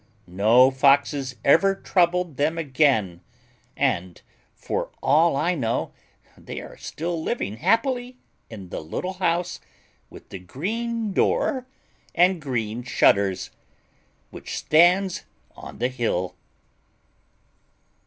No foxes ever troubled them again, and for all I know they are still living happily in the little house with the green door and green shutters, which stands on the hill.